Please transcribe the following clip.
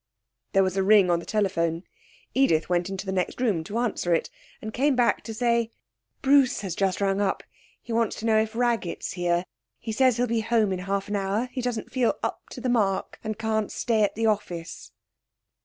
There was a ring on the telephone. Edith went into the next room to answer it, and came back to say 'Bruce has just rung up. He wants to know if Raggett's here. He says he'll be home in half an hour. He doesn't feel up to the mark, and can't stay at the office.'